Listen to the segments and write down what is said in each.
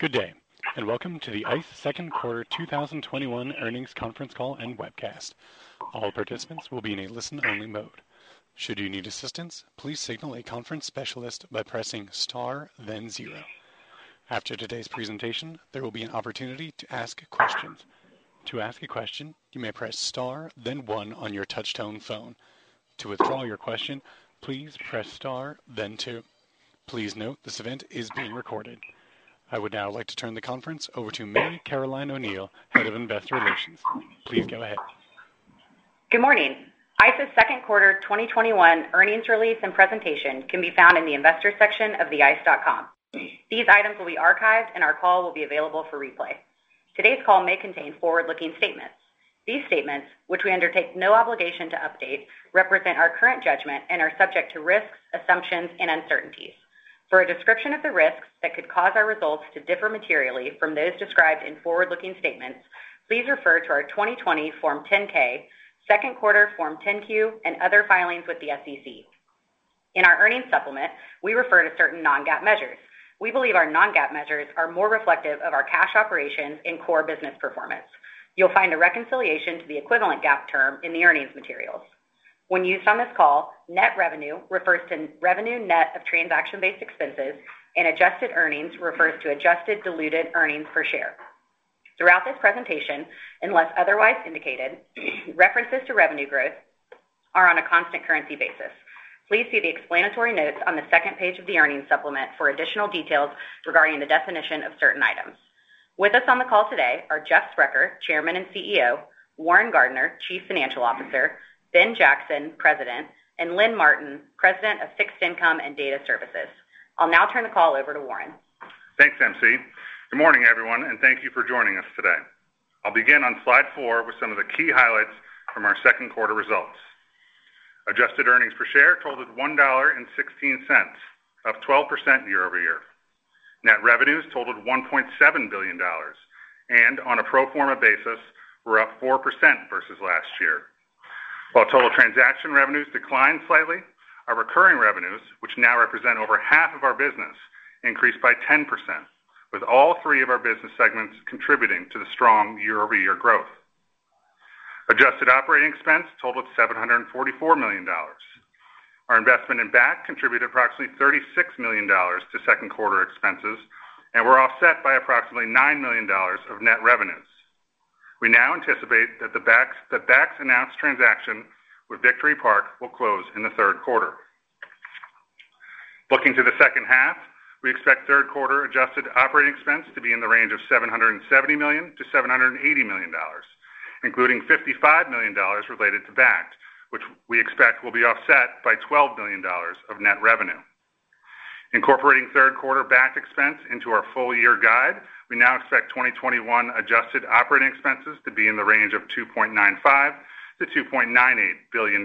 Good day, and welcome to the ICE second quarter 2021 earnings conference call and webcast. All participates will be in an only-listen mode. Should you need assistance, please signal a conference specialist by pressing star then zero. After today's presentation, there will be an opportunity to ask questions. To ask a question you may press star then one on your touch-tone phone. To withdraw your question, please press star then two. Please note that this event is being recorded. I would now like to turn the conference over to Mary Caroline O'Neal, Head of Investor Relations. Please go ahead. Good morning. ICE's second quarter 2021 earnings release and presentation can be found in the Investors section of theice.com. These items will be archived, and our call will be available for replay. Today's call may contain forward-looking statements. These statements, which we undertake no obligation to update, represent our current judgment and are subject to risks, assumptions, and uncertainties. For a description of the risks that could cause our results to differ materially from those described in forward-looking statements, please refer to our 2020 Form 10-K, second quarter Form 10-Q, and other filings with the SEC. In our earnings supplement, we refer to certain non-GAAP measures. We believe our non-GAAP measures are more reflective of our cash operations and core business performance. You'll find a reconciliation to the equivalent GAAP term in the earnings materials. When used on this call, net revenue refers to revenue net of transaction-based expenses, and adjusted earnings refers to adjusted diluted earnings per share. Throughout this presentation, unless otherwise indicated, references to revenue growth are on a constant currency basis. Please see the explanatory notes on the second page of the earnings supplement for additional details regarding the definition of certain items. With us on the call today are Jeff Sprecher, Chairman and CEO, Warren Gardiner, Chief Financial Officer, Ben Jackson, President, and Lynn Martin, President of Fixed Income and Data Services. I'll now turn the call over to Warren. Thanks, MC. Good morning, everyone, and thank you for joining us today. I'll begin on slide four with some of the key highlights from our second quarter results. Adjusted earnings per share totaled $1.16, up 12% year-over-year. Net revenues totaled $1.7 billion and, on a pro forma basis, were up 4% versus last year. While total transaction revenues declined slightly, our recurring revenues, which now represent over half of our business, increased by 10%, with all three of our business segments contributing to the strong year-over-year growth. Adjusted operating expense totaled $744 million. Our investment in Bakkt contributed approximately $36 million to second quarter expenses and were offset by approximately $9 million of net revenues. We now anticipate that Bakkt's announced transaction with Victory Park will close in the third quarter. Looking to the second half, we expect third quarter adjusted operating expense to be in the range of $770 million-$780 million, including $55 million related to Bakkt, which we expect will be offset by $12 million of net revenue. Incorporating third quarter Bakkt expense into our full-year guide, we now expect 2021 adjusted operating expenses to be in the range of $2.95 billion-$2.98 billion.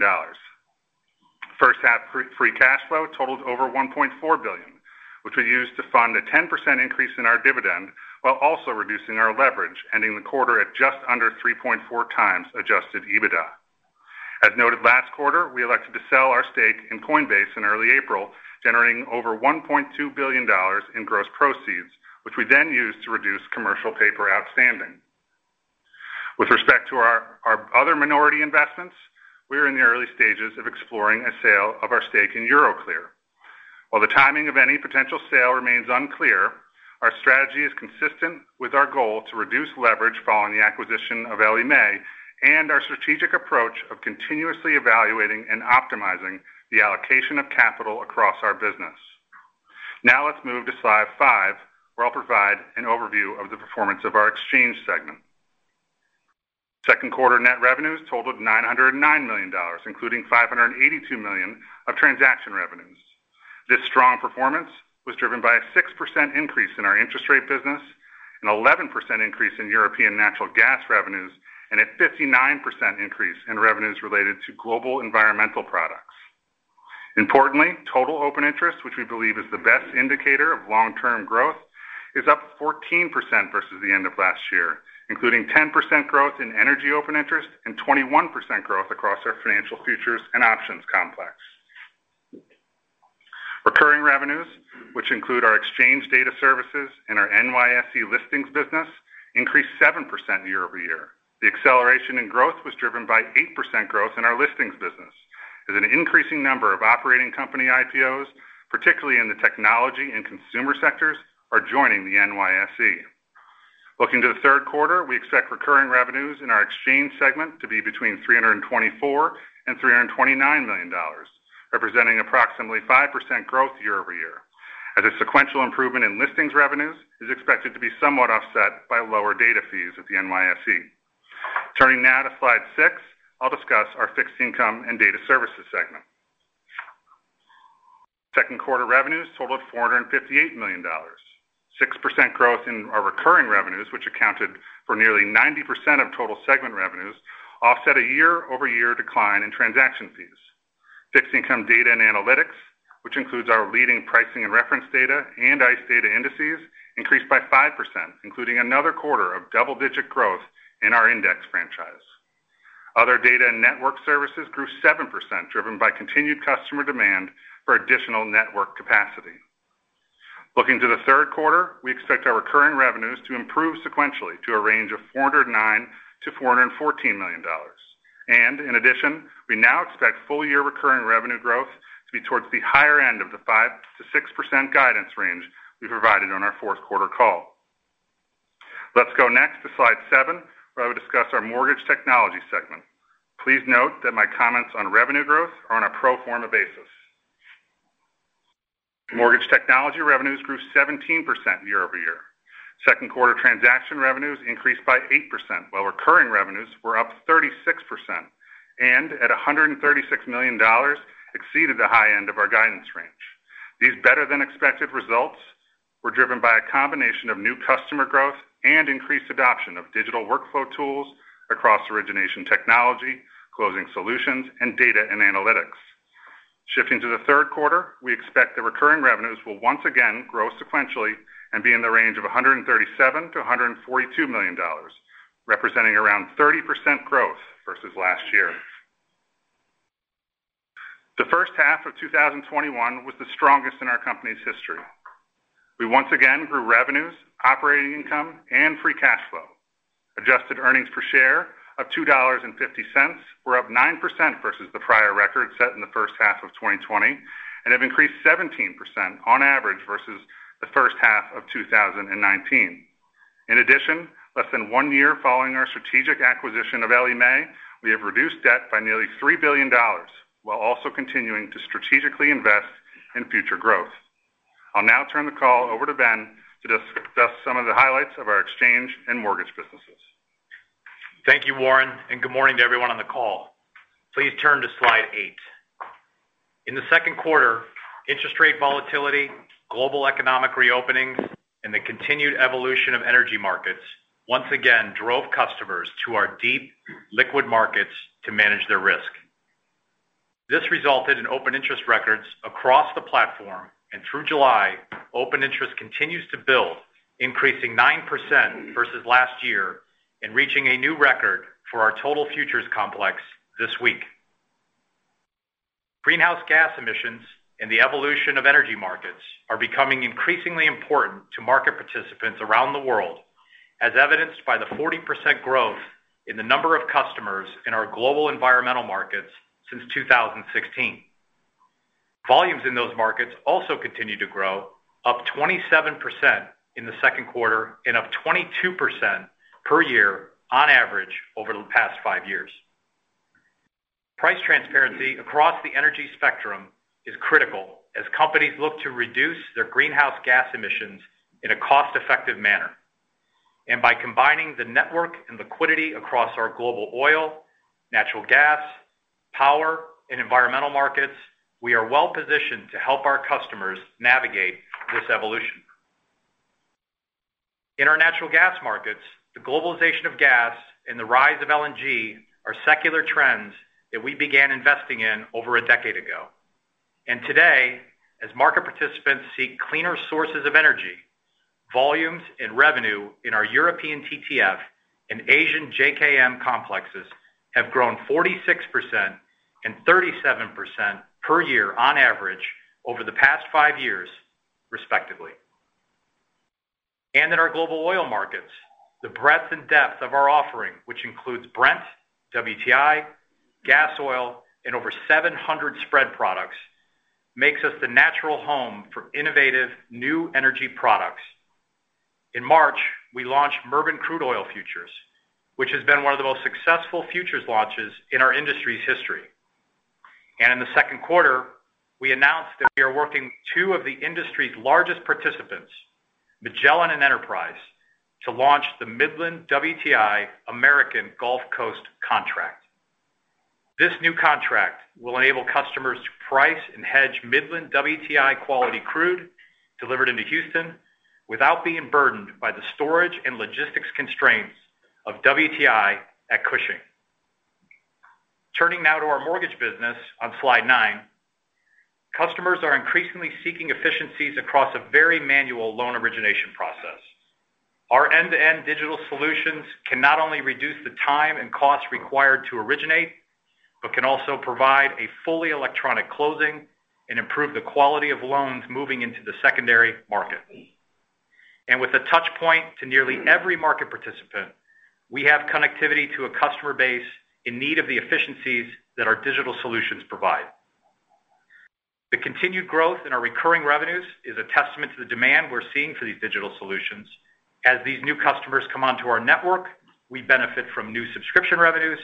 First half free cash flow totaled over $1.4 billion, which we used to fund a 10% increase in our dividend while also reducing our leverage, ending the quarter at just under 3.4x adjusted EBITDA. As noted last quarter, we elected to sell our stake in Coinbase in early April, generating over $1.2 billion in gross proceeds, which we then used to reduce commercial paper outstanding. With respect to our other minority investments, we are in the early stages of exploring a sale of our stake in Euroclear. While the timing of any potential sale remains unclear, our strategy is consistent with our goal to reduce leverage following the acquisition of Ellie Mae and our strategic approach of continuously evaluating and optimizing the allocation of capital across our business. Now let's move to slide five, where I'll provide an overview of the performance of our Exchange segment. Second quarter net revenues totaled $909 million, including $582 million of transaction revenues. This strong performance was driven by a 6% increase in our interest rate business, an 11% increase in European natural gas revenues, and a 59% increase in revenues related to global environmental products. Importantly, total open interest, which we believe is the best indicator of long-term growth, is up 14% versus the end of last year, including 10% growth in energy open interest and 21% growth across our financial futures and options complex. Recurring revenues, which include our ICE Data Services and our NYSE listings business, increased 7% year-over-year. The acceleration in growth was driven by 8% growth in our listings business, as an increasing number of operating company IPOs, particularly in the technology and consumer sectors, are joining the NYSE. Looking to the third quarter, we expect recurring revenues in our Exchange segment to be between $324 million and $329 million, representing approximately 5% growth year-over-year, as a sequential improvement in listings revenues is expected to be somewhat offset by lower data fees at the NYSE. Turning now to slide six, I'll discuss our Fixed Income and Data Services segment. Second quarter revenues totaled $458 million. 6% growth in our recurring revenues, which accounted for nearly 90% of total segment revenues, offset a year-over-year decline in transaction fees. Fixed income data and analytics, which includes our leading pricing and reference data and ICE Data Indices, increased by 5%, including another quarter of double-digit growth in our index franchise. Other data and network services grew 7%, driven by continued customer demand for additional network capacity. Looking to the third quarter, we expect our recurring revenues to improve sequentially to a range of $409 million-$414 million. In addition, we now expect full-year recurring revenue growth to be towards the higher end of the 5%-6% guidance range we provided on our fourth quarter call. Let's go next to slide seven, where we discuss our Mortgage Technology segment. Please note that my comments on revenue growth are on a pro forma basis. Mortgage Technology revenues grew 17% year-over-year. Second quarter transaction revenues increased by 8%, while recurring revenues were up 36%, and at $136 million, exceeded the high end of our guidance range. These better than expected results were driven by a combination of new customer growth and increased adoption of digital workflow tools across origination technology, closing solutions, and data and analytics. Shifting to the third quarter, we expect the recurring revenues will once again grow sequentially and be in the range of $137 million-$142 million, representing around 30% growth versus last year. The first half of 2021 was the strongest in our company's history. We once again grew revenues, operating income, and free cash flow. Adjusted earnings per share of $2.50 were up 9% versus the prior record set in the first half of 2020, and have increased 17% on average versus the first half of 2019. In addition, less than one year following our strategic acquisition of Ellie Mae, we have reduced debt by nearly $3 billion, while also continuing to strategically invest in future growth. I'll now turn the call over to Ben to discuss some of the highlights of our Exchange and Mortgage businesses. Thank you, Warren, and good morning to everyone on the call. Please turn to slide eight. In the second quarter, interest rate volatility, global economic reopenings, and the continued evolution of energy markets once again drove customers to our deep liquid markets to manage their risk. This resulted in open interest records across the platform, and through July, open interest continues to build, increasing 9% versus last year and reaching a new record for our total futures complex this week. Greenhouse gas emissions and the evolution of energy markets are becoming increasingly important to market participants around the world, as evidenced by the 40% growth in the number of customers in our global environmental markets since 2016. Volumes in those markets also continue to grow, up 27% in the second quarter and up 22% per year on average over the past five years. Price transparency across the energy spectrum is critical as companies look to reduce their greenhouse gas emissions in a cost-effective manner. By combining the network and liquidity across our global oil, natural gas, power, and environmental markets, we are well-positioned to help our customers navigate this evolution. In our natural gas markets, the globalization of gas and the rise of LNG are secular trends that we began investing in over 10 years ago. Today, as market participants seek cleaner sources of energy, volumes and revenue in our European TTF and Asian JKM complexes have grown 46% and 37% per year on average over the past five years, respectively. In our global oil markets, the breadth and depth of our offering, which includes Brent, WTI, Gasoil, and over 700 spread products, makes us the natural home for innovative new energy products. In March, we launched Murban Crude Oil futures, which has been one of the most successful futures launches in our industry's history. In the second quarter, we announced that we are working with two of the industry's largest participants, Magellan and Enterprise, to launch the Midland WTI American Gulf Coast contract. This new contract will enable customers to price and hedge Midland WTI quality crude delivered into Houston without being burdened by the storage and logistics constraints of WTI at Cushing. Turning now to our Mortgage business on slide nine. Customers are increasingly seeking efficiencies across a very manual loan origination process. Our end-to-end digital solutions can not only reduce the time and cost required to originate, but can also provide a fully electronic closing and improve the quality of loans moving into the secondary market. With a touch point to nearly every market participant, we have connectivity to a customer base in need of the efficiencies that our digital solutions provide. The continued growth in our recurring revenues is a testament to the demand we're seeing for these digital solutions. As these new customers come onto our network, we benefit from new subscription revenues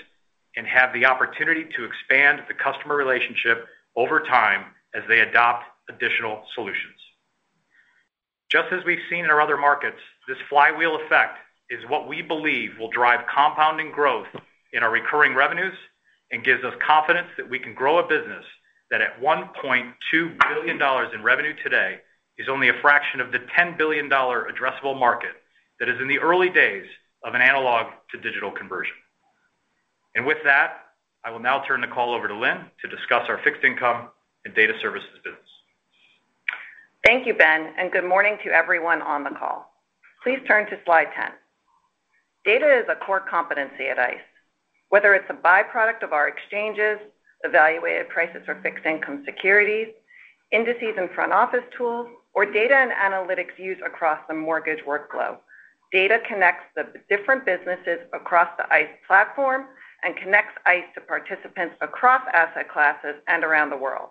and have the opportunity to expand the customer relationship over time as they adopt additional solutions. Just as we've seen in our other markets, this flywheel effect is what we believe will drive compounding growth in our recurring revenues and gives us confidence that we can grow a business that at $1.2 billion in revenue today, is only a fraction of the $10 billion addressable market that is in the early days of an analog to digital conversion. With that, I will now turn the call over to Lynn to discuss our ICE Fixed Income and Data Services business. Thank you, Ben, and good morning to everyone on the call. Please turn to slide 10. Data is a core competency at ICE. Whether it's a byproduct of our exchanges, evaluated prices for fixed income securities, indices and front-office tools, or data and analytics used across the mortgage workflow. Data connects the different businesses across the ICE platform and connects ICE to participants across asset classes and around the world.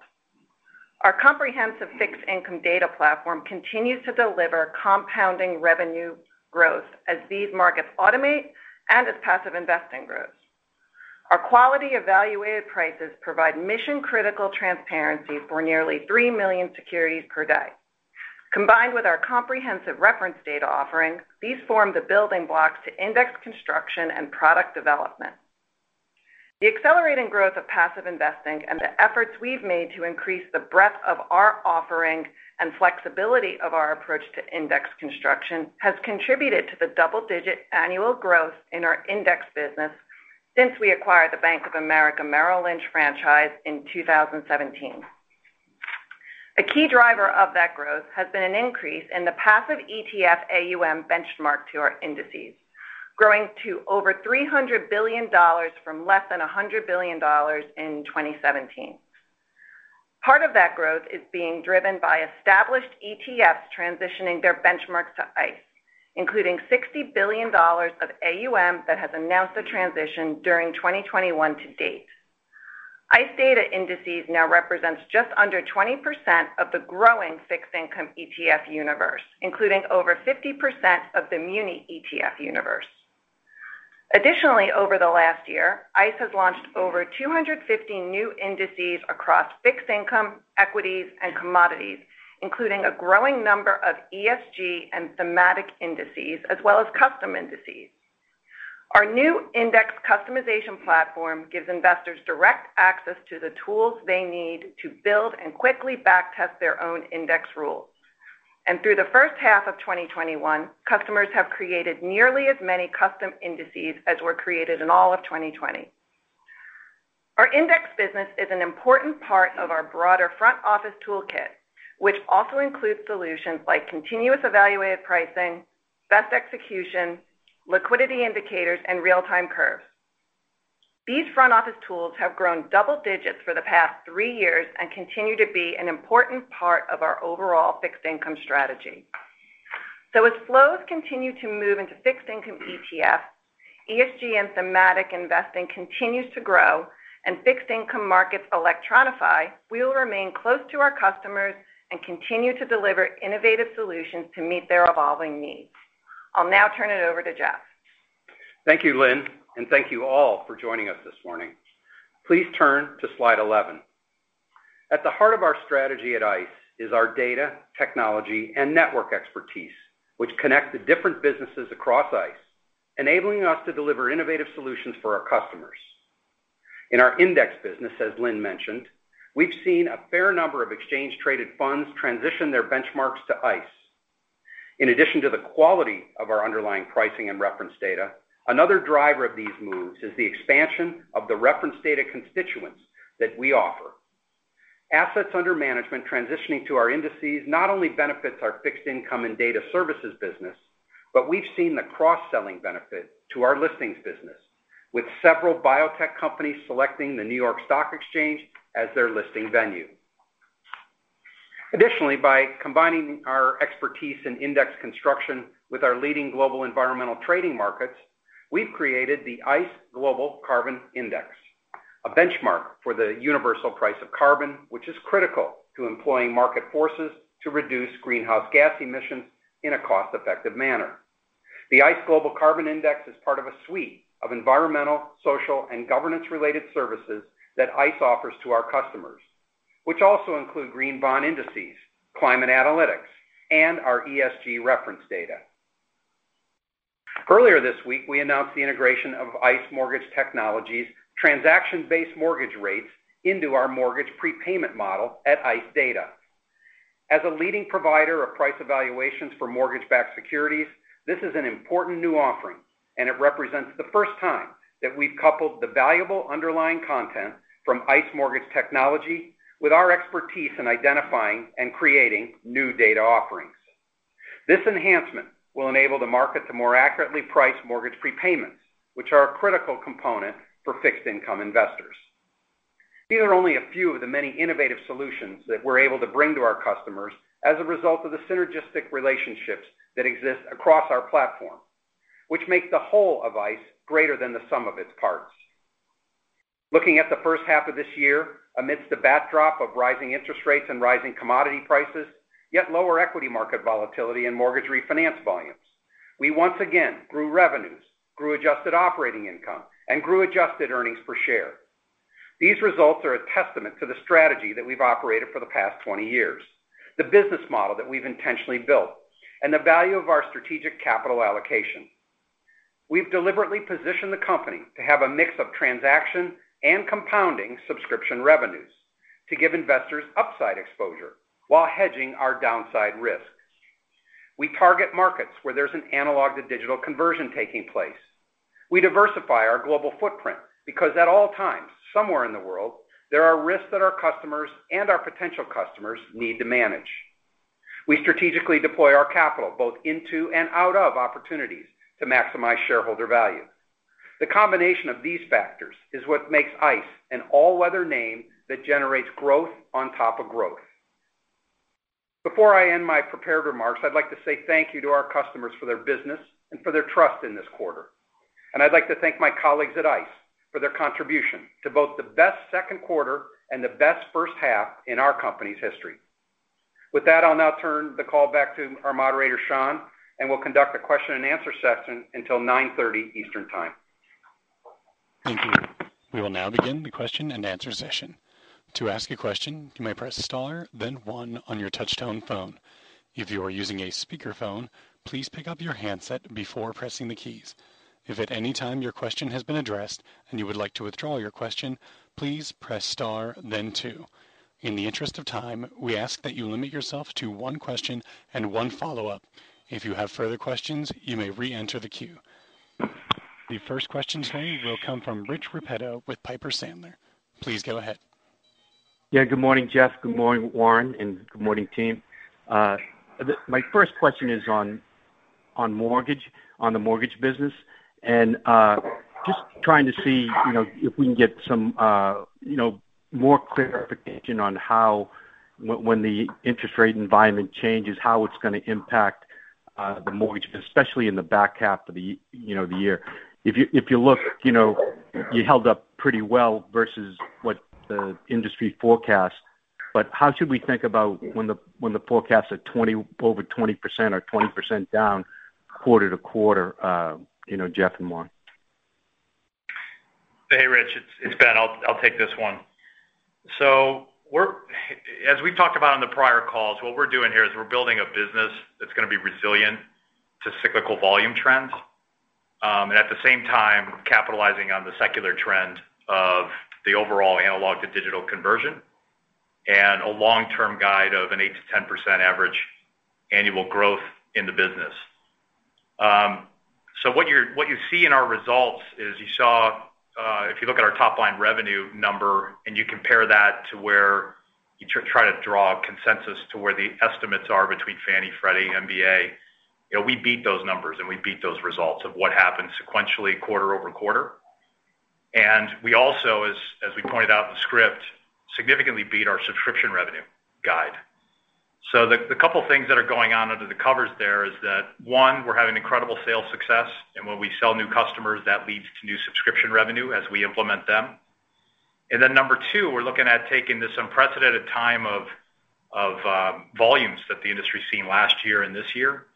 Our comprehensive fixed income data platform continues to deliver compounding revenue growth as these markets automate and as passive investing grows. Our quality evaluated prices provide mission-critical transparency for nearly 3 million securities per day. Combined with our comprehensive reference data offerings, these form the building blocks to index construction and product development. The accelerating growth of passive investing and the efforts we've made to increase the breadth of our offering and flexibility of our approach to index construction has contributed to the double-digit annual growth in our index business since we acquired the Bank of America Merrill Lynch franchise in 2017. A key driver of that growth has been an increase in the passive ETF AUM benchmark to our indices, growing to over $300 billion from less than $100 billion in 2017. Part of that growth is being driven by established ETFs transitioning their benchmarks to ICE, including $60 billion of AUM that has announced the transition during 2021 to date. ICE Data Indices now represents just under 20% of the growing fixed income ETF universe, including over 50% of the muni ETF universe. Additionally, over the last year, ICE has launched over 250 new indices across fixed income, equities, and commodities, including a growing number of ESG and thematic indices as well as custom indices. Our new index customization platform gives investors direct access to the tools they need to build and quickly back test their own index rules. Through the first half of 2021, customers have created nearly as many custom indices as were created in all of 2020. Our Index business is an important part of our broader front-office toolkit, which also includes solutions like continuous evaluated pricing, best execution, liquidity indicators, and real-time curves. These front-office tools have grown double digits for the past three years and continue to be an important part of our overall fixed income strategy. As flows continue to move into fixed income ETFs, ESG and thematic investing continues to grow, and fixed income markets electronify, we will remain close to our customers and continue to deliver innovative solutions to meet their evolving needs. I will now turn it over to Jeff. Thank you, Lynn, and thank you all for joining us this morning. Please turn to slide 11. At the heart of our strategy at ICE is our data, technology, and network expertise, which connect the different businesses across ICE, enabling us to deliver innovative solutions for our customers. In our Index business, as Lynn mentioned, we've seen a fair number of exchange-traded funds transition their benchmarks to ICE. In addition to the quality of our underlying pricing and reference data, another driver of these moves is the expansion of the reference data constituents that we offer. Assets under management transitioning to our indices not only benefits our Fixed Income and Data Services business, but we've seen the cross-selling benefit to our listings business, with several biotech companies selecting the New York Stock Exchange as their listing venue. By combining our expertise in index construction with our leading global environmental trading markets, we've created the ICE Global Carbon Index, a benchmark for the universal price of carbon, which is critical to employing market forces to reduce greenhouse gas emissions in a cost-effective manner. The ICE Global Carbon Index is part of a suite of environmental, social, and governance-related services that ICE offers to our customers, which also include green bond indices, climate analytics, and our ESG reference data. Earlier this week, we announced the integration of ICE Mortgage Technology's transaction-based mortgage rates into our mortgage prepayment model at ICE Data. As a leading provider of price evaluations for mortgage-backed securities, this is an important new offering, and it represents the first time that we've coupled the valuable underlying content from ICE Mortgage Technology with our expertise in identifying and creating new data offerings. This enhancement will enable the market to more accurately price mortgage prepayments, which are a critical component for fixed income investors. These are only a few of the many innovative solutions that we're able to bring to our customers as a result of the synergistic relationships that exist across our platform, which make the whole of ICE greater than the sum of its parts. Looking at the first half of this year, amidst the backdrop of rising interest rates and rising commodity prices, yet lower equity market volatility and mortgage refinance volumes, we once again grew revenues, grew adjusted operating income, and grew adjusted earnings per share. These results are a testament to the strategy that we've operated for the past 20 years, the business model that we've intentionally built, and the value of our strategic capital allocation. We've deliberately positioned the company to have a mix of transaction and compounding subscription revenues to give investors upside exposure while hedging our downside risk. We target markets where there's an analog-to-digital conversion taking place. We diversify our global footprint because at all times, somewhere in the world, there are risks that our customers and our potential customers need to manage. We strategically deploy our capital both into and out of opportunities to maximize shareholder value. The combination of these factors is what makes ICE an all-weather name that generates growth on top of growth. Before I end my prepared remarks, I'd like to say thank you to our customers for their business and for their trust in this quarter. I'd like to thank my colleagues at ICE for their contribution to both the best second quarter and the best first half in our company's history. With that, I'll now turn the call back to our moderator, Sean, and we'll conduct a question-and-answer session until 9:30 A.M. Eastern Time. Thank you. We will now begin the question-and-answer session. To ask a question, you may press star then one on your touchtone phone. If you are using a speakerphone, please pick up your handset before pressing the keys. If at any time your question has been addressed and you would like to withdraw your question, please press star then two. In the interest of time, we ask that you limit yourself to one question and one follow-up. If you have further questions, you may re-enter the queue. The first question today will come from Rich Repetto with Piper Sandler. Please go ahead. Yeah, good morning, Jeff. Good morning, Warren. Good morning, team. My first question is on the Mortgage business, just trying to see if we can get some more clarification on how, when the interest rate environment changes, how it's going to impact the Mortgage, especially in the back half of the year. If you look, you held up pretty well versus what the industry forecast. How should we think about when the forecasts are over 20% or 20% down quarter-to-quarter, Jeff and Warren? Hey, Rich. It's Ben. I'll take this one. As we've talked about on the prior calls, what we're doing here is we're building a business that's going to be resilient to cyclical volume trends. At the same time, capitalizing on the secular trend of the overall analog-to-digital conversion and a long-term guide of an 8%-10% average annual growth in the business. What you see in our results is if you look at our top-line revenue number and you compare that to where you try to draw consensus to where the estimates are between Fannie, Freddie, and MBA, we beat those numbers, and we beat those results of what happened sequentially quarter-over-quarter. We also, as we pointed out in the script, significantly beat our subscription revenue guide. The couple things that are going on under the covers there is that, one, we're having incredible sales success, and when we sell new customers, that leads to new subscription revenue as we implement them. Number two, we're looking at taking this unprecedented time of volumes that the industry's seen last year and this year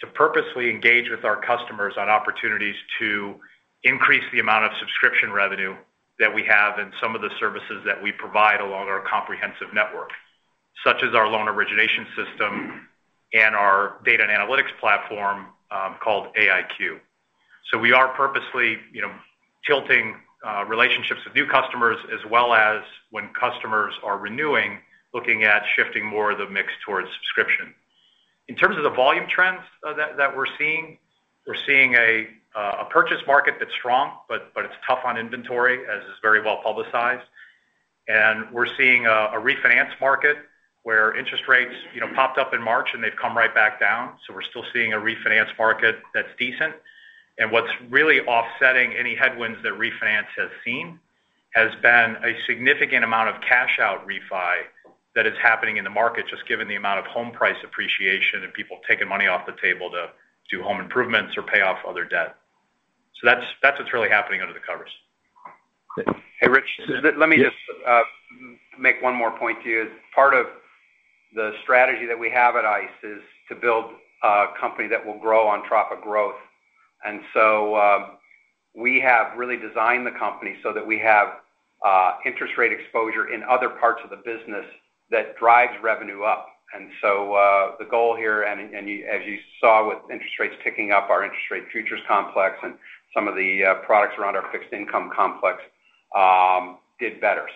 to purposely engage with our customers on opportunities to increase the amount of subscription revenue that we have in some of the services that we provide along our comprehensive network, such as our loan origination system and our data and analytics platform called AIQ. We are purposely tilting relationships with new customers as well as when customers are renewing, looking at shifting more of the mix towards subscription. In terms of the volume trends that we're seeing, we're seeing a purchase market that's strong, but it's tough on inventory, as is very well-publicized. We're seeing a refinance market where interest rates popped up in March, and they've come right back down. We're still seeing a refinance market that's decent. What's really offsetting any headwinds that refinance has seen has been a significant amount of cash-out refi that is happening in the market, just given the amount of home price appreciation and people taking money off the table to do home improvements or pay off other debt. That's what's really happening under the covers. Hey, Rich, let me just make one more point to you. Part of the strategy that we have at ICE is to build a company that will grow on top of growth. We have really designed the company so that we have interest rate exposure in other parts of the business that drives revenue up. The goal here, and as you saw with interest rates picking up our interest rate futures complex and some of the products around our Fixed Income complex did better.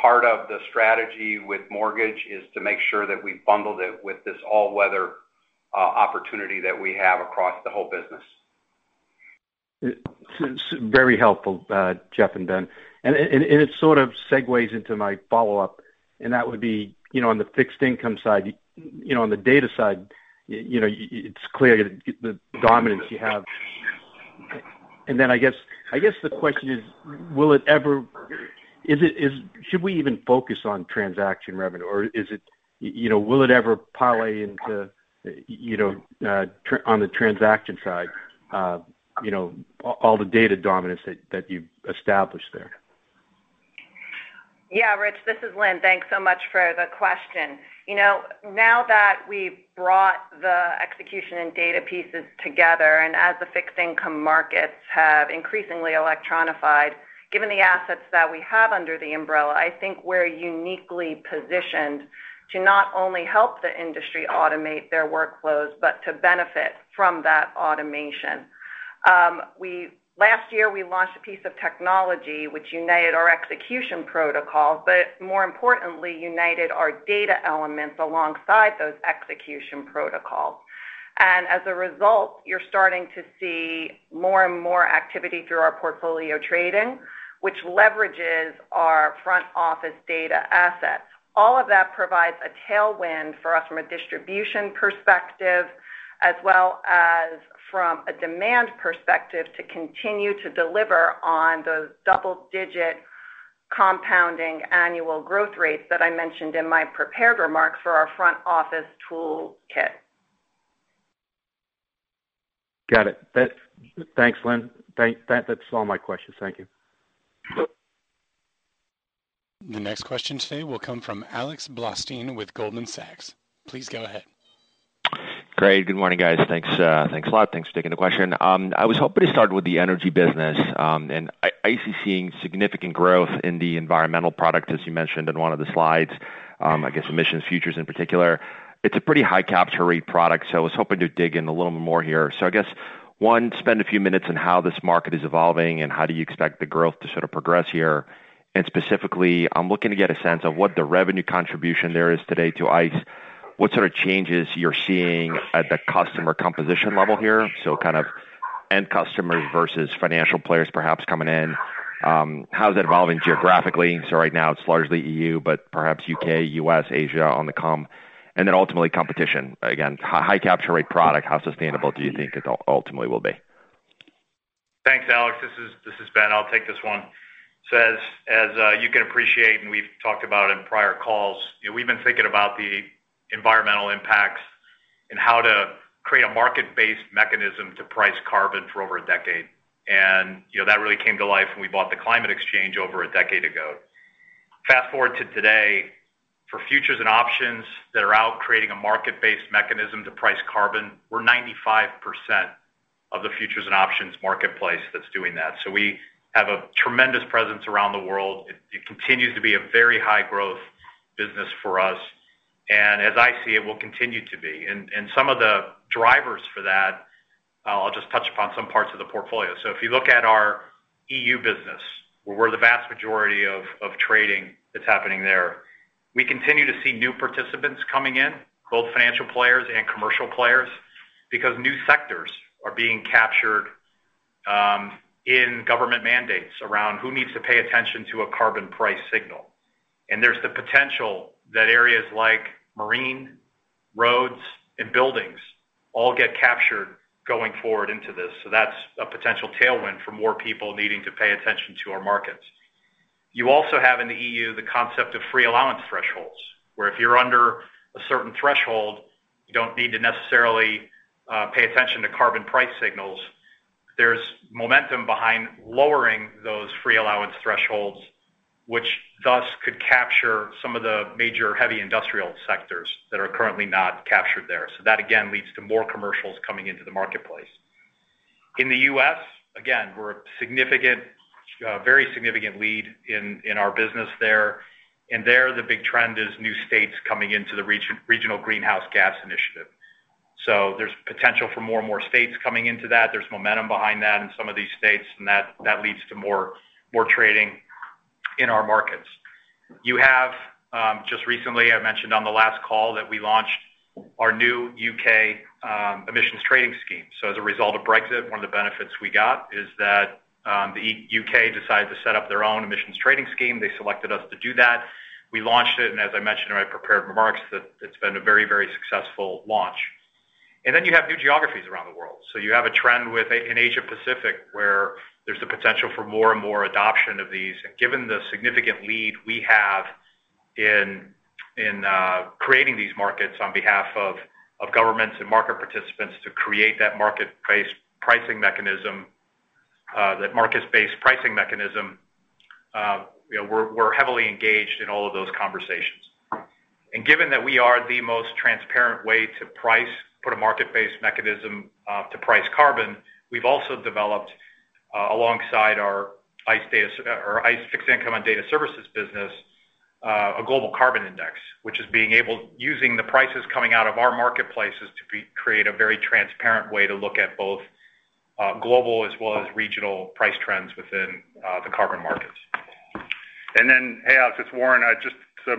Part of the strategy with Mortgage is to make sure that we've bundled it with this all-weather opportunity that we have across the whole business. Very helpful, Jeff and Ben. It sort of segues into my follow-up, and that would be on the Fixed Income side. On the data side, it's clear the dominance you have. I guess the question is, should we even focus on transaction revenue, or will it ever parlay on the transaction side, you know, all the data dominance that you've established there? Yeah, Rich, this is Lynn. Thanks so much for the question. Now that we've brought the execution and data pieces together, as the fixed income markets have increasingly electronified, given the assets that we have under the umbrella, I think we're uniquely positioned to not only help the industry automate their workflows, but to benefit from that automation. Last year, we launched a piece of technology which united our execution protocols, but more importantly, united our data elements alongside those execution protocols. As a result, you're starting to see more and more activity through our portfolio trading, which leverages our front-office data assets. All of that provides a tailwind for us from a distribution perspective, as well as from a demand perspective, to continue to deliver on those double-digit compounding annual growth rates that I mentioned in my prepared remarks for our front-office tool kit. Got it. Thanks, Lynn. That's all my questions. Thank you. The next question today will come from Alex Blostein with Goldman Sachs. Please go ahead. Great. Good morning, guys. Thanks a lot. Thanks for taking the question. I was hoping to start with the energy business, and ICE is seeing significant growth in the environmental product, as you mentioned in one of the slides, I guess emissions futures in particular. It's a pretty high capture rate product, I was hoping to dig in a little more here. I guess, one, spend a few minutes on how this market is evolving and how do you expect the growth to sort of progress here? Specifically, I'm looking to get a sense of what the revenue contribution there is today to ICE. What sort of changes you're seeing at the customer composition level here, so kind of end customers versus financial players perhaps coming in. How is it evolving geographically? Right now it's largely EU, but perhaps U.K., U.S., Asia on the come, and then ultimately competition. Again, high capture rate product, how sustainable do you think it ultimately will be? Thanks, Alex. This is Ben. I'll take this one. As you can appreciate, and we've talked about in prior calls, we've been thinking about the environmental impacts and how to create a market-based mechanism to price carbon for over a decade. That really came to life when we bought the Climate Exchange over a decade ago. Fast-forward to today, for futures and options that are out creating a market-based mechanism to price carbon, we're 95% of the futures and options marketplace that's doing that. We have a tremendous presence around the world. It continues to be a very high-growth business for us, and as I see it, will continue to be. Some of the drivers for that, I'll just touch upon some parts of the portfolio. If you look at our EU business, where the vast majority of trading that's happening there, we continue to see new participants coming in, both financial players and commercial players, because new sectors are being captured in government mandates around who needs to pay attention to a carbon price signal. There's the potential that areas like marine, roads, and buildings all get captured going forward into this. That's a potential tailwind for more people needing to pay attention to our markets. You also have in the EU the concept of free allowance thresholds, where if you're under a certain threshold, you don't need to necessarily pay attention to carbon price signals. There's momentum behind lowering those free allowance thresholds, which thus could capture some of the major heavy industrial sectors that are currently not captured there. That, again, leads to more commercials coming into the marketplace. In the U.S., again, we're a very significant lead in our business there. There, the big trend is new states coming into the Regional Greenhouse Gas Initiative. There's potential for more and more states coming into that. There's momentum behind that in some of these states, and that leads to more trading in our markets. Just recently, I mentioned on the last call that we launched our new U.K. Emissions Trading Scheme. As a result of Brexit, one of the benefits we got is that the U.K. decided to set up their own U.K. Emissions Trading Scheme. They selected us to do that. We launched it, and as I mentioned in my prepared remarks, it's been a very successful launch. Then you have new geographies around the world. You have a trend in Asia Pacific where there's the potential for more and more adoption of these. Given the significant lead we have in creating these markets on behalf of governments and market participants to create that market-based pricing mechanism, we're heavily engaged in all of those conversations. Given that we are the most transparent way to put a market-based mechanism to price carbon, we've also developed, alongside our ICE Fixed Income and Data Services business, a Global Carbon Index. Which is using the prices coming out of our marketplaces to create a very transparent way to look at both global as well as regional price trends within the carbon markets. Hey, Alex, it's Warren. Just to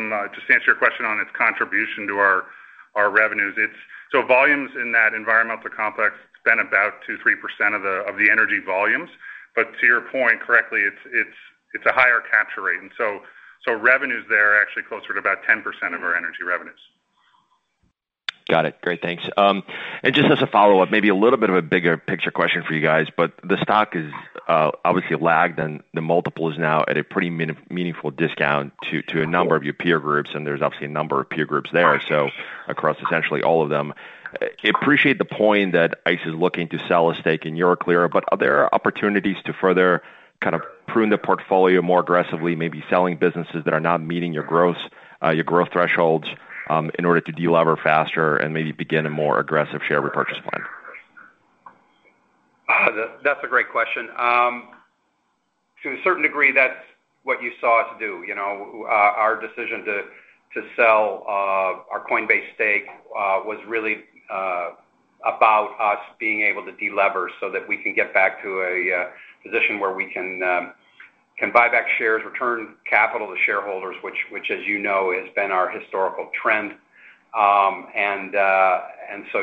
answer your question on its contribution to our revenues. Volumes in that environmental complex spend about 2%-3% of the energy volumes. To your point, correctly, it's a higher capture rate. Revenues there are actually closer to about 10% of our energy revenues. Got it. Great, thanks. Just as a follow-up, maybe a little bit of a bigger picture question for you guys, the stock is obviously lagged and the multiple is now at a pretty meaningful discount to a number of your peer groups, and there's obviously a number of peer groups there across essentially all of them. I appreciate the point that ICE is looking to sell a stake in Euroclear, are there opportunities to further kind of prune the portfolio more aggressively, maybe selling businesses that are not meeting your growth thresholds in order to de-lever faster and maybe begin a more aggressive share repurchase plan? That's a great question. To a certain degree, that's what you saw us do. Our decision to sell our Coinbase stake was really about us being able to de-lever so that we can get back to a position where we can buy back shares, return capital to shareholders, which as you know, has been our historical trend.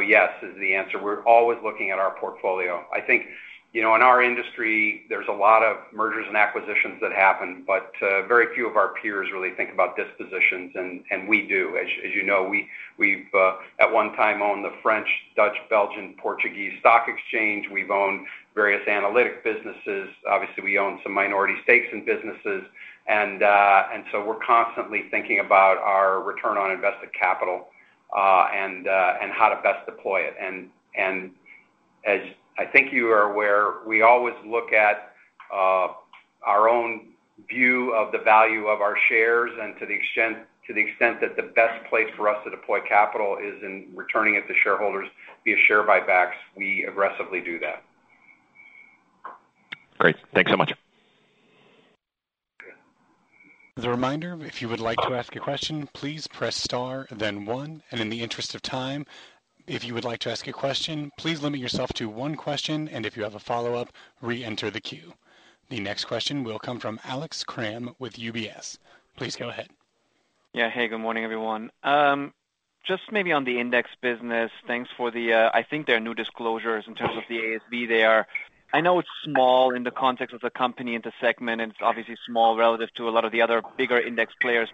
Yes is the answer. We're always looking at our portfolio. I think, in our industry, there's a lot of mergers and acquisitions that happen, but very few of our peers really think about dispositions, and we do. As you know, we've, at one time, owned the French, Dutch, Belgian, Portuguese stock exchange. We've owned various analytic businesses. Obviously, we own some minority stakes in businesses. We're constantly thinking about our return on invested capital, and how to best deploy it. As I think you are aware, we always look at our own view of the value of our shares and to the extent that the best place for us to deploy capital is in returning it to shareholders via share buybacks, we aggressively do that. Great. Thanks so much. As a reminder, if you would like to ask a question, please press star, then one, and in the interest of time, if you would like to ask a question, please limit yourself to one question, and if you have a follow-up, re-enter the queue. The next question will come from Alex Kramm with UBS. Please go ahead. Yeah. Hey, good morning, everyone. Just maybe on the index business, thanks for the, I think they're new disclosures in terms of the AUM there. I know it's small in the context of the company and the segment, and it's obviously small relative to a lot of the other bigger index players.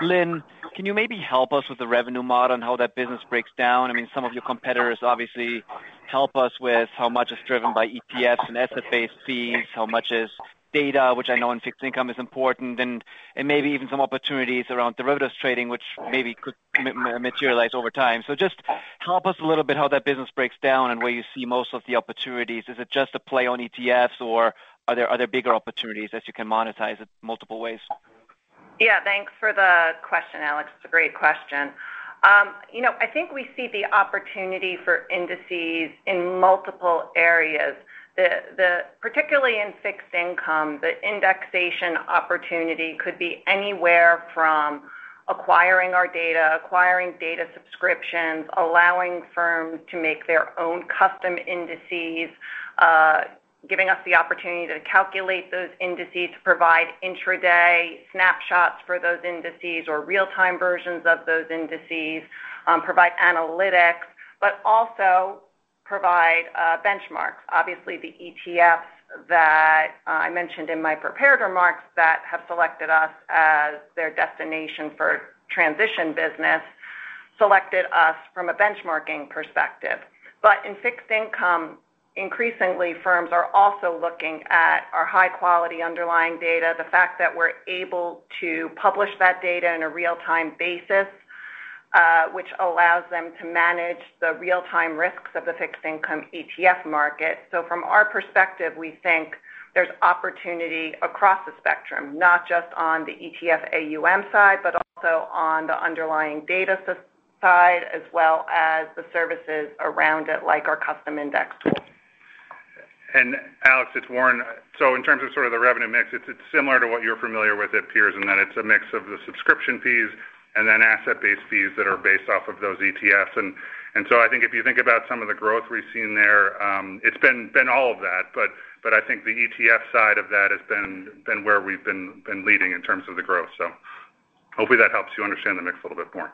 Lynn, can you maybe help us with the revenue model and how that business breaks down? I mean, some of your competitors obviously help us with how much is driven by EPS and asset-based fees, how much is data, which I know in fixed income is important, and maybe even some opportunities around derivatives trading, which maybe could materialize over time. Just help us a little bit how that business breaks down and where you see most of the opportunities. Is it just a play on ETFs or are there bigger opportunities as you can monetize it multiple ways? Yeah, thanks for the question, Alex. It's a great question. I think we see the opportunity for indices in multiple areas. Particularly in Fixed Income, the indexation opportunity could be anywhere from acquiring our data, acquiring data subscriptions, allowing firms to make their own custom indices, giving us the opportunity to calculate those indices to provide intraday snapshots for those indices or real-time versions of those indices, provide analytics, but also provide benchmarks. Obviously, the ETFs that I mentioned in my prepared remarks that have selected us as their destination for transition business selected us from a benchmarking perspective. In Fixed Income, increasingly firms are also looking at our high-quality underlying data, the fact that we're able to publish that data in a real-time basis, which allows them to manage the real-time risks of the fixed income ETF market. From our perspective, we think there's opportunity across the spectrum, not just on the ETF AUM side, but also on the underlying data side, as well as the services around it, like our custom index tool. Alex, it's Warren. In terms of sort of the revenue mix, it's similar to what you're familiar with at peers, and that it's a mix of the subscription fees and then asset-based fees that are based off of those ETFs. I think if you think about some of the growth we've seen there, it's been all of that, but I think the ETF side of that has been where we've been leading in terms of the growth. Hopefully that helps you understand the mix a little bit more.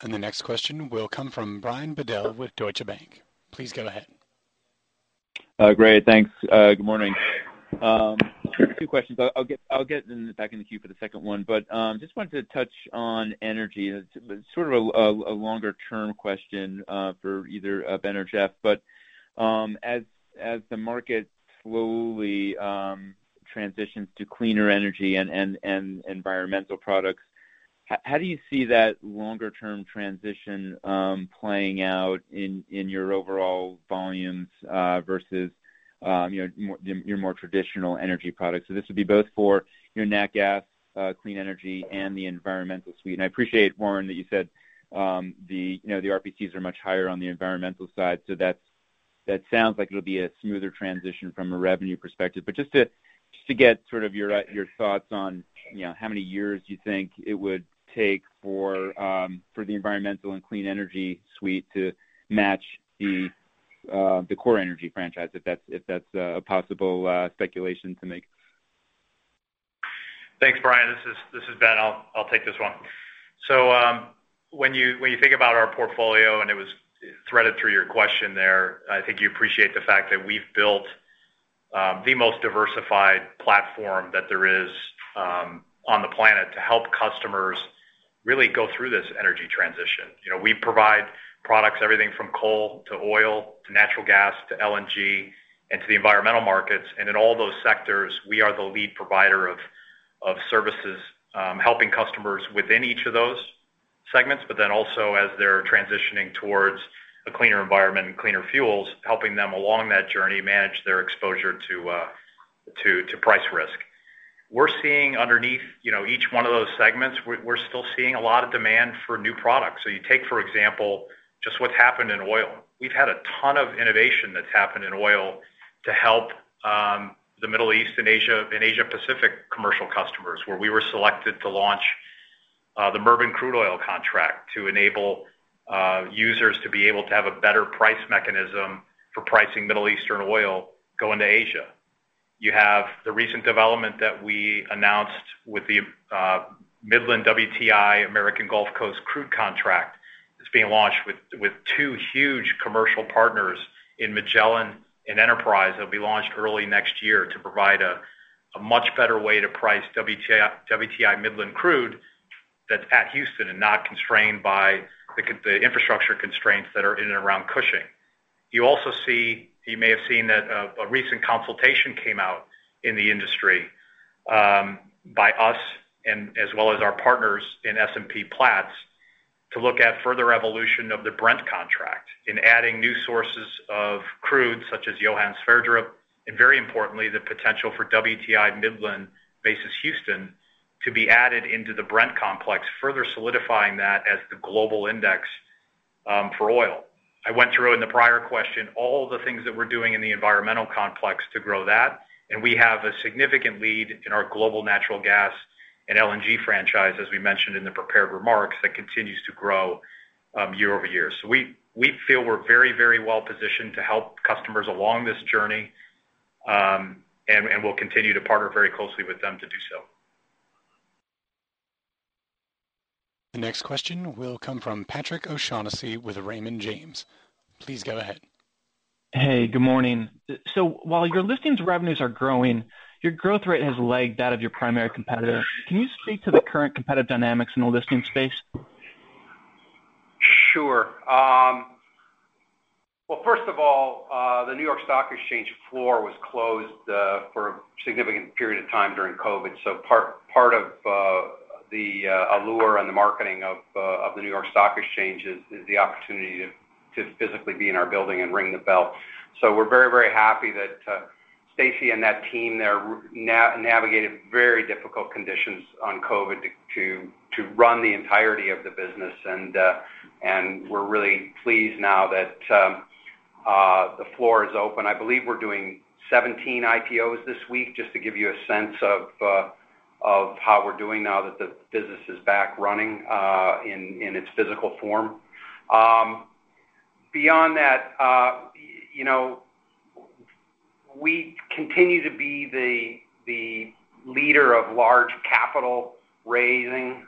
The next question will come from Brian Bedell with Deutsche Bank. Please go ahead. Great. Thanks. Good morning. Two questions. I'll get back in the queue for the second one. Just wanted to touch on energy. It's sort of a longer-term question for either Ben or Jeff. As the market slowly transitions to cleaner energy and environmental products, how do you see that longer-term transition playing out in your overall volumes versus your more traditional energy products? This would be both for your nat gas, clean energy, and the environmental suite. I appreciate, Warren, that you said the RPCs are much higher on the environmental side, so that sounds like it'll be a smoother transition from a revenue perspective. Just to get sort of your thoughts on how many years you think it would take for the environmental and clean energy suite to match the core energy franchise, if that's a possible speculation to make. Thanks, Brian. This is Ben. I'll take this one. When you think about our portfolio, and it was threaded through your question there, I think you appreciate the fact that we've built the most diversified platform that there is on the planet to help customers really go through this energy transition. We provide products, everything from coal to oil to natural gas to LNG and to the environmental markets. In all those sectors, we are the lead provider of services, helping customers within each of those segments, but then also as they're transitioning towards a cleaner environment and cleaner fuels, helping them along that journey manage their exposure to price risk. We're seeing underneath each one of those segments, we're still seeing a lot of demand for new products. You take, for example, just what's happened in oil. We've had a ton of innovation that's happened in oil to help the Middle East and Asia Pacific commercial customers, where we were selected to launch the Murban Crude Oil contract to enable users to be able to have a better price mechanism for pricing Middle Eastern oil going to Asia. You have the recent development that we announced with the Midland WTI American Gulf Coast crude contract that's being launched with two huge commercial partners in Magellan and Enterprise that will be launched early next year to provide a much better way to price WTI Midland crude that's at Houston and not constrained by the infrastructure constraints that are in and around Cushing. You also may have seen that a recent consultation came out in the industry by us, as well as our partners in S&P Platts, to look at further evolution of the Brent contract in adding new sources of crude such as Johan Sverdrup, and very importantly, the potential for WTI Midland versus Houston to be added into the Brent complex, further solidifying that as the global index for oil. I went through in the prior question all the things that we're doing in the environmental complex to grow that, and we have a significant lead in our global natural gas and LNG franchise, as we mentioned in the prepared remarks, that continues to grow year-over-year. We feel we're very well-positioned to help customers along this journey, and we'll continue to partner very closely with them to do so. The next question will come from Patrick O'Shaughnessy with Raymond James. Please go ahead. Hey, good morning. While your listings revenues are growing, your growth rate has lagged that of your primary competitor. Can you speak to the current competitive dynamics in the listings space? Sure. Well, first of all, the New York Stock Exchange floor was closed for a significant period of time during COVID. Part of the allure and the marketing of the New York Stock Exchange is the opportunity to physically be in our building and ring the bell. We're very happy that Stacey and that team there navigated very difficult conditions on COVID to run the entirety of the business, and we're really pleased now that the floor is open. I believe we're doing 17 IPOs this week, just to give you a sense of how we're doing now that the business is back running in its physical form. Beyond that, we continue to be the leader of large capital raising.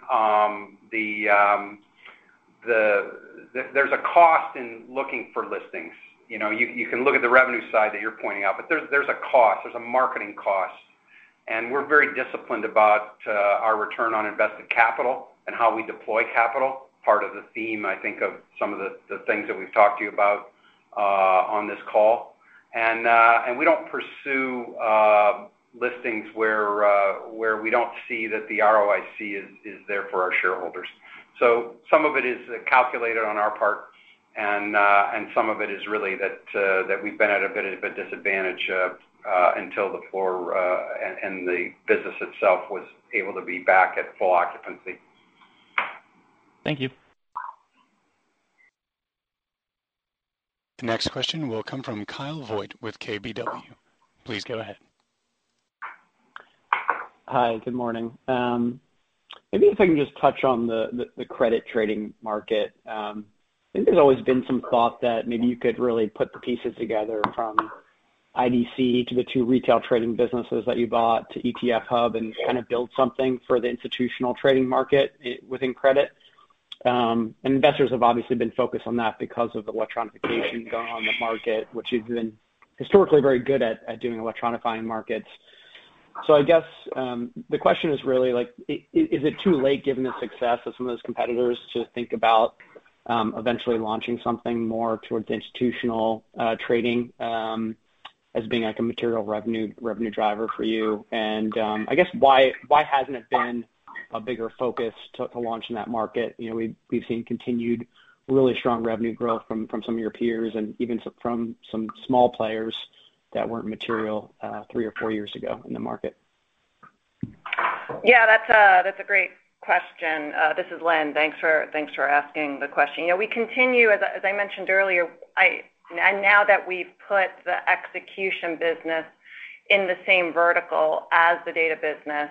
There's a cost in looking for listings. You can look at the revenue side that you're pointing out, there's a cost, there's a marketing cost. We're very disciplined about our return on invested capital and how we deploy capital. Part of the theme, I think, of some of the things that we've talked to you about on this call. We don't pursue listings where we don't see that the ROIC is there for our shareholders. Some of it is calculated on our part, and some of it is really that we've been at a bit of a disadvantage until the floor and the business itself was able to be back at full occupancy. Thank you. The next question will come from Kyle Voigt with KBW. Please go ahead. Hi, good morning. Maybe if I can just touch on the credit trading market. I think there's always been some thought that maybe you could really put the pieces together from IDC to the two retail trading businesses that you bought to ETF Hub and kind of build something for the institutional trading market within credit. Investors have obviously been focused on that because of electronification going on in the market, which you've been historically very good at doing electronifying markets. I guess, the question is really, is it too late given the success of some of those competitors to think about eventually launching something more towards institutional trading as being a material revenue driver for you? I guess why hasn't it been a bigger focus to launch in that market? We've seen continued really strong revenue growth from some of your peers and even from some small players that weren't material three or four years ago in the market. Yeah, that's a great question. This is Lynn. Thanks for asking the question. We continue, as I mentioned earlier, now that we've put the execution business in the same vertical as the Data business,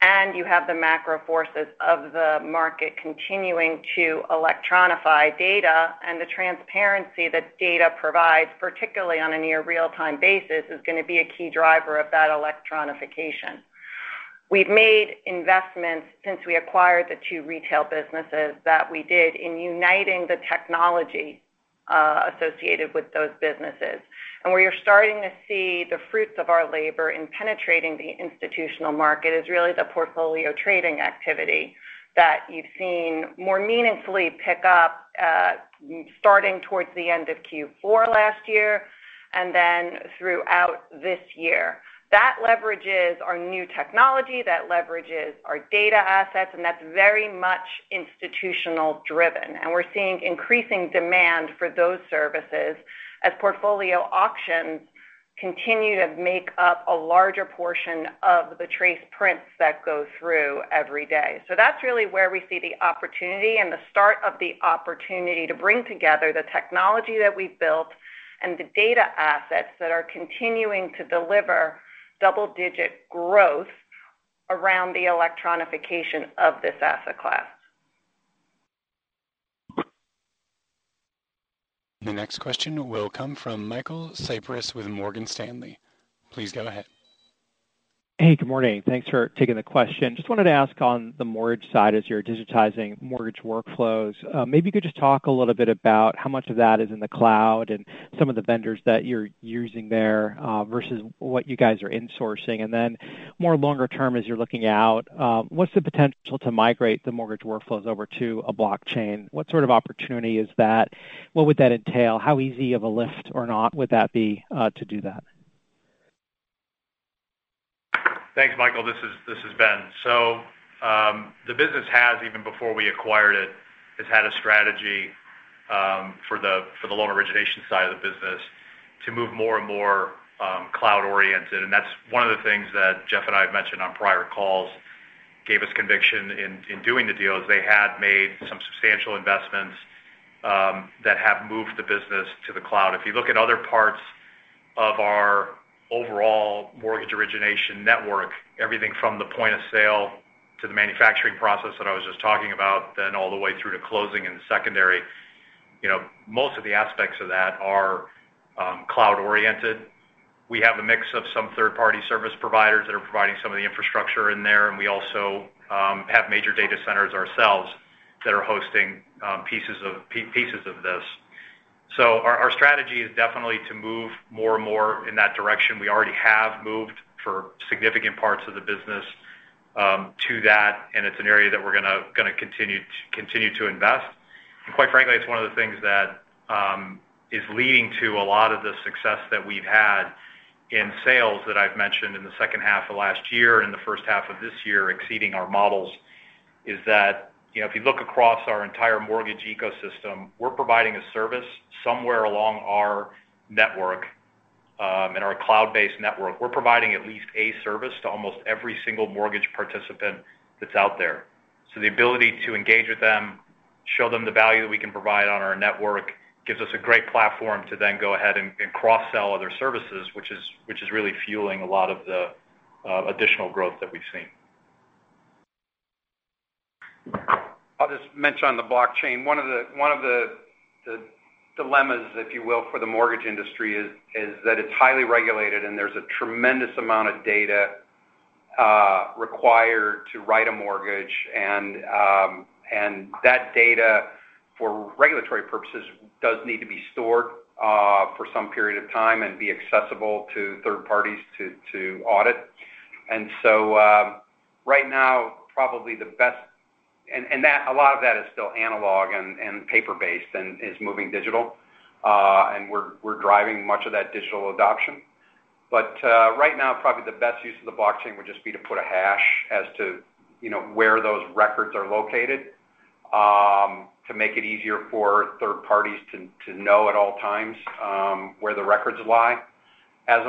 and you have the macro forces of the market continuing to electronify data and the transparency that data provides, particularly on a near real-time basis, is going to be a key driver of that electronification. We've made investments since we acquired the two retail businesses that we did in uniting the technology associated with those businesses. Where you're starting to see the fruits of our labor in penetrating the institutional market is really the portfolio trading activity that you've seen more meaningfully pick up starting towards the end of Q4 last year, and then throughout this year. That leverages our new technology, that leverages our data assets, and that's very much institutional driven. We're seeing increasing demand for those services as portfolio auctions continue to make up a larger portion of the TRACE prints that go through every day. That's really where we see the opportunity and the start of the opportunity to bring together the technology that we've built and the data assets that are continuing to deliver double-digit growth around the electronification of this asset class. The next question will come from Michael Cyprys with Morgan Stanley. Please go ahead. Hey, good morning. Thanks for taking the question. Just wanted to ask on the mortgage side, as you're digitizing mortgage workflows, maybe you could just talk a little bit about how much of that is in the cloud and some of the vendors that you're using there, versus what you guys are insourcing. Then more longer term, as you're looking out, what's the potential to migrate the Mortgage workflows over to a blockchain? What sort of opportunity is that? What would that entail? How easy of a lift or not would that be to do that? Thanks, Michael. This is Ben. The business has, even before we acquired it, has had a strategy for the loan origination side of the business to move more and more cloud-oriented. That's one of the things that Jeff and I have mentioned on prior calls, gave us conviction in doing the deal. They had made some substantial investments that have moved the business to the cloud. If you look at other parts of our overall mortgage origination network, everything from the point of sale to the manufacturing process that I was just talking about, then all the way through to closing and secondary, most of the aspects of that are cloud-oriented. We have a mix of some third-party service providers that are providing some of the infrastructure in there, and we also have major data centers ourselves that are hosting pieces of this. Our strategy is definitely to move more and more in that direction. We already have moved for significant parts of the business to that, and it's an area that we're going to continue to invest. Quite frankly, it's one of the things that is leading to a lot of the success that we've had in sales that I've mentioned in the second half of last year and the first half of this year exceeding our models, is that if you look across our entire Mortgage ecosystem, we're providing a service somewhere along our network, in our cloud-based network. We're providing at least a service to almost every single mortgage participant that's out there. The ability to engage with them, show them the value we can provide on our network gives us a great platform to then go ahead and cross-sell other services, which is really fueling a lot of the additional growth that we've seen. I'll just mention on the blockchain, one of the dilemmas, if you will, for the mortgage industry is that it's highly regulated, and there's a tremendous amount of data required to write a mortgage. That data, for regulatory purposes, does need to be stored for some period of time and be accessible to third parties to audit. Right now, and a lot of that is still analog and paper-based and is moving digital. We're driving much of that digital adoption. Right now, probably the best use of the blockchain would just be to put a hash as to where those records are located, to make it easier for third parties to know at all times where the records lie, as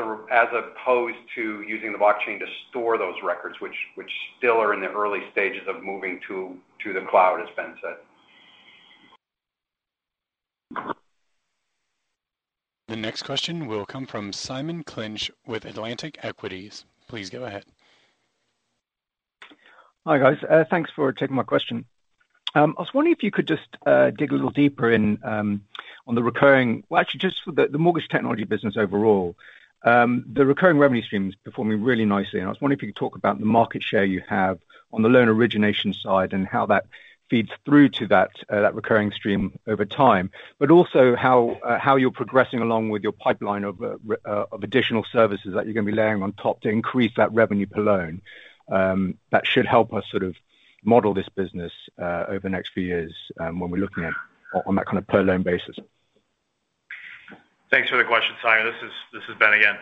opposed to using the blockchain to store those records which still are in the early stages of moving to the cloud as Ben said. The next question will come from Simon Clinch with Atlantic Equities. Please go ahead. Hi, guys. Thanks for taking my question. I was wondering if you could just dig a little deeper on the Mortgage Technology business overall. The recurring revenue stream is performing really nicely. I was wondering if you could talk about the market share you have on the loan origination side? And how that feeds through to that recurring stream over time? Also how you're progressing along with your pipeline of additional services that you're going to be layering on top to increase that revenue per loan? That should help us sort of model this business over the next few years when we're looking at on that kind of per loan basis. Thanks for the question, Simon. This is Ben again.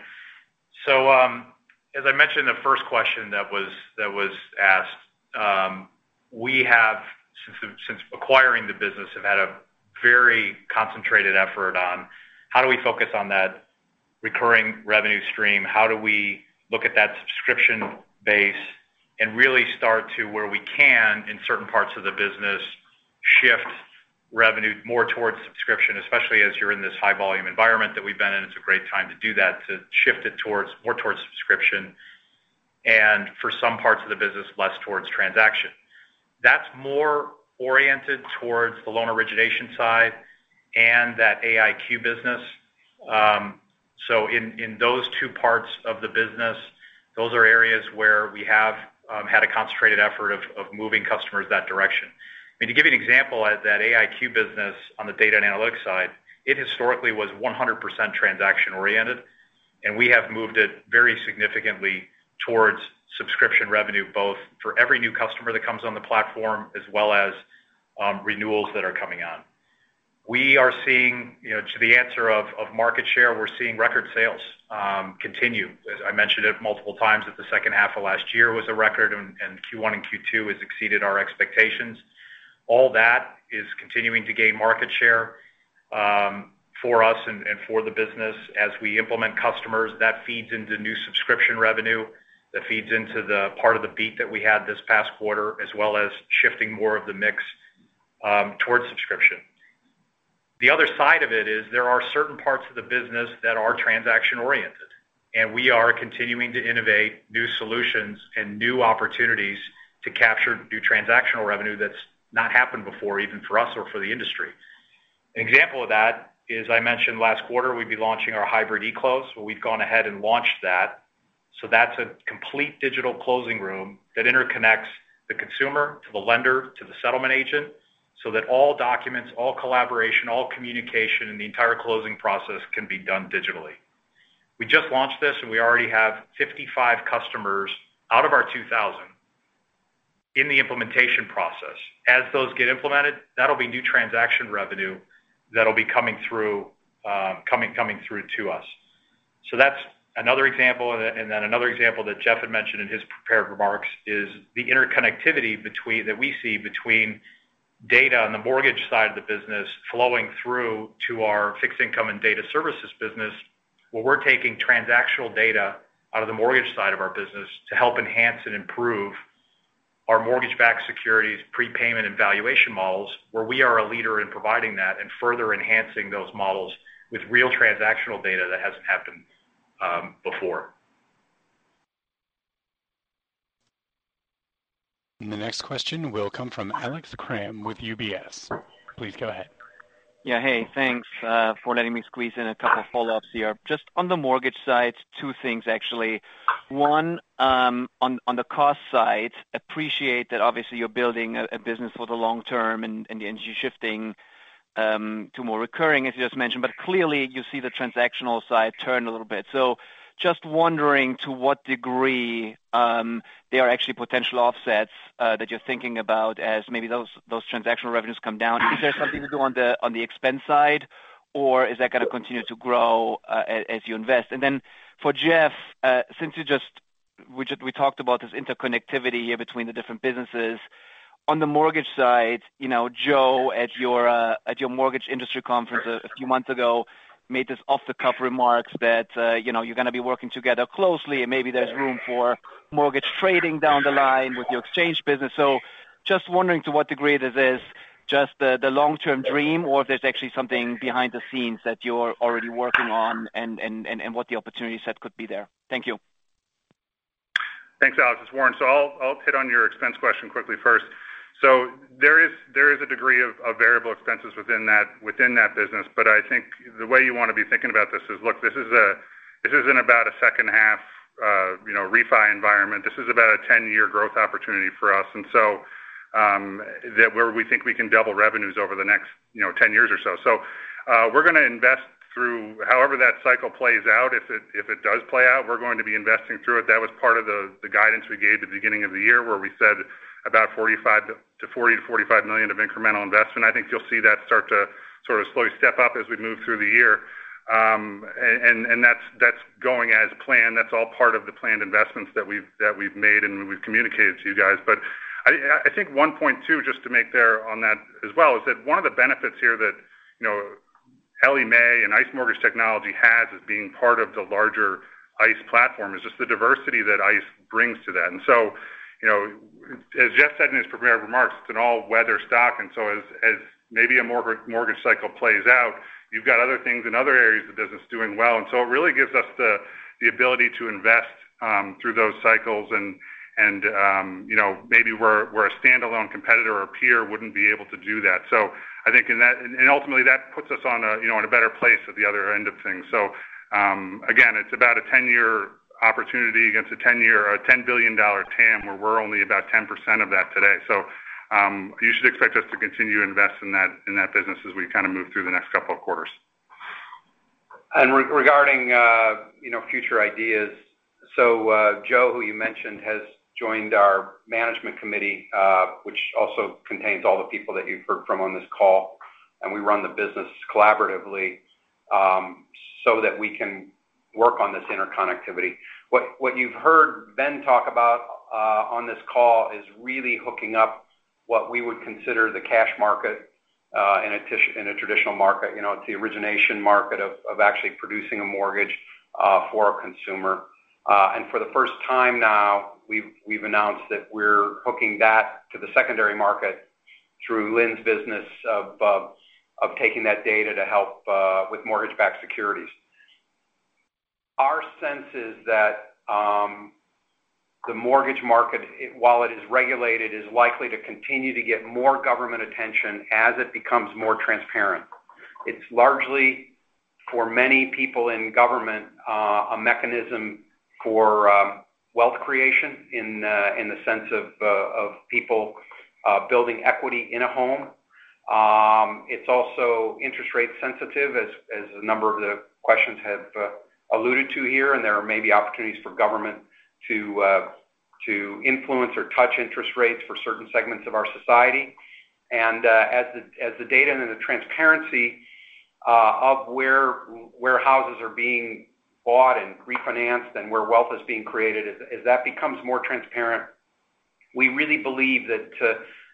As I mentioned in the first question that was asked, we have, since acquiring the business, have had a very concentrated effort on how do we focus on that recurring revenue stream? How do we look at that subscription base and really start to where we can in certain parts of the business shift revenue more towards subscription, especially as you're in this high-volume environment that we've been in. It's a great time to do that, to shift it more towards subscription. For some parts of the business, less towards transaction. That's more oriented towards the loan origination side and that AIQ business. In those two parts of the business, those are areas where we have had a concentrated effort of moving customers that direction. I mean, to give you an example, that AIQ business on the data and analytics side, it historically was 100% transaction oriented, and we have moved it very significantly towards subscription revenue, both for every new customer that comes on the platform as well as renewals that are coming on. To the answer of market share, we're seeing record sales continue. As I mentioned it multiple times that the second half of last year was a record, and Q1 and Q2 has exceeded our expectations. All that is continuing to gain market share for us and for the business as we implement customers. That feeds into new subscription revenue, that feeds into the part of the beat that we had this past quarter, as well as shifting more of the mix towards subscription. The other side of it is there are certain parts of the business that are transaction-oriented, and we are continuing to innovate new solutions and new opportunities to capture new transactional revenue that's not happened before, even for us or for the industry. An example of that is I mentioned last quarter we'd be launching our hybrid eClose. Well, we've gone ahead and launched that. That's a complete digital closing room that interconnects the consumer to the lender, to the settlement agent, so that all documents, all collaboration, all communication in the entire closing process can be done digitally. We just launched this, and we already have 55 customers out of our 2,000 in the implementation process. As those get implemented, that'll be new transaction revenue that'll be coming through to us. That's another example. Another example that Jeff had mentioned in his prepared remarks is the interconnectivity that we see between data on the Mortgage side of the business flowing through to our Fixed Income and Data Services business, where we're taking transactional data out of the Mortgage side of our business to help enhance and improve our mortgage-backed securities prepayment and valuation models, where we are a leader in providing that and further enhancing those models with real transactional data that hasn't happened before. The next question will come from Alex Kramm with UBS. Please go ahead. Yeah. Hey, thanks for letting me squeeze in a couple follow-ups here. Just on the Mortgage side, two things actually. One, on the cost side, appreciate that obviously you're building a business for the long term and you're shifting to more recurring, as you just mentioned. Clearly, you see the transactional side turn a little bit. Just wondering to what degree there are actually potential offsets that you're thinking about as maybe those transactional revenues come down. Is there something to do on the expense side, or is that going to continue to grow as you invest? Then for Jeff, since we talked about this interconnectivity here between the different businesses. On the Mortgage side, Joe, at your mortgage industry conference a few months ago, made this off-the-cuff remark that you're going to be working together closely, maybe there's room for Mortgage trading down the line with your Exchange business. Just wondering to what degree this is just the long-term dream, or if there's actually something behind the scenes that you're already working on and what the opportunity set could be there. Thank you. Thanks, Alex. It's Warren. I'll hit on your expense question quickly first. There is a degree of variable expenses within that business, but I think the way you want to be thinking about this is, look, this isn't about a second half refi environment. This is about a 10-year growth opportunity for us. Where we think we can double revenues over the next 10 years or so. We're going to invest through however that cycle plays out. If it does play out, we're going to be investing through it. That was part of the guidance we gave at the beginning of the year where we said about $40 million-$45 million of incremental investment. I think you'll see that start to sort of slowly step up as we move through the year. That's going as planned. That's all part of the planned investments that we've made and we've communicated to you guys. I think one point too, just to make there on that as well, is that one of the benefits here that Ellie Mae and ICE Mortgage Technology has as being part of the larger ICE platform is just the diversity that ICE brings to that. As Jeff said in his prepared remarks, it's an all-weather stock. As maybe a mortgage cycle plays out, you've got other things in other areas of the business doing well. It really gives us the ability to invest through those cycles and maybe where a standalone competitor or peer wouldn't be able to do that. I think ultimately that puts us in a better place at the other end of things. Again, it's about a 10-year opportunity against a $10 billion TAM, where we're only about 10% of that today. You should expect us to continue to invest in that business as we kind of move through the next couple of quarters. Regarding future ideas. Joe, who you mentioned, has joined our management committee, which also contains all the people that you've heard from on this call. We run the business collaboratively so that we can work on this interconnectivity. What you've heard Ben talk about on this call is really hooking up what we would consider the cash market in a traditional market. It's the origination market of actually producing a mortgage for a consumer. For the first time now, we've announced that we're hooking that to the secondary market through Lynn's business of taking that data to help with mortgage-backed securities. Our sense is that the mortgage market, while it is regulated, is likely to continue to get more government attention as it becomes more transparent. It's largely, for many people in government, a mechanism for wealth creation in the sense of people building equity in a home. It's also interest rate sensitive, as a number of the questions have alluded to here, and there may be opportunities for government to influence or touch interest rates for certain segments of our society. As the data and the transparency of where houses are being bought and refinanced and where wealth is being created, as that becomes more transparent, we really believe that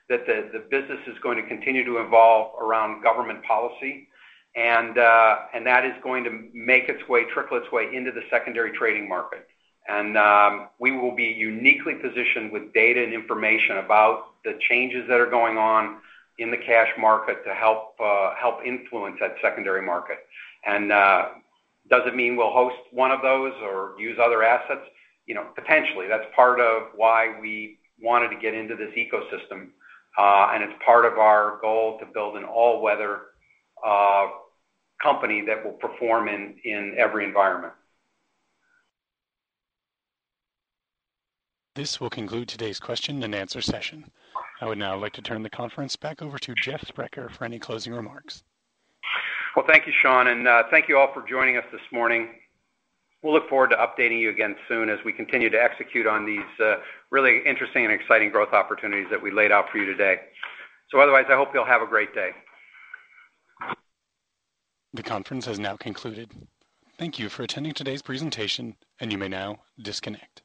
the business is going to continue to evolve around government policy, and that is going to make its way, trickle its way into the secondary trading market. We will be uniquely positioned with data and information about the changes that are going on in the cash market to help influence that secondary market. Does it mean we'll host one of those or use other assets? Potentially. That's part of why we wanted to get into this ecosystem, and it's part of our goal to build an all-weather company that will perform in every environment. This will conclude today's question-and-answer session. I would now like to turn the conference back over to Jeff Sprecher for any closing remarks. Well, thank you, Sean, and thank you all for joining us this morning. We'll look forward to updating you again soon as we continue to execute on these really interesting and exciting growth opportunities that we laid out for you today. Otherwise, I hope you all have a great day. The conference has now concluded. Thank you for attending today's presentation, and you may now disconnect.